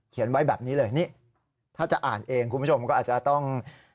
ไว้แบบนี้เลยนี่ถ้าจะอ่านเองคุณผู้ชมก็อาจจะต้อง